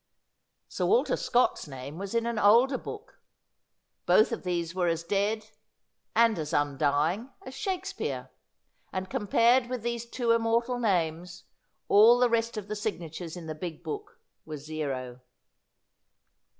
Sir Walter Scott's name was in an older book. Both of these were as dead — and as undying — as Shakespeare. And compared with these two immortal names all the rest of the signatures in the big book were zero.